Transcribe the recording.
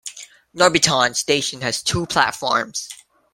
Norbiton station has two platforms.